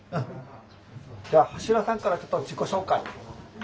じゃあ橋浦さんからちょっと自己紹介。